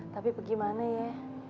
tapi bagaimana ya